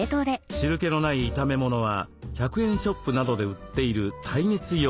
汁けのない炒め物は１００円ショップなどで売っている耐熱容器へ。